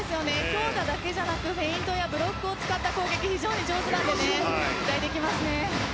強打だけではなくフェイントやブロックを使った攻撃非常に上手なので期待できますね。